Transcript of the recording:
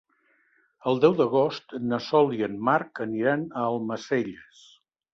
El deu d'agost na Sol i en Marc aniran a Almacelles.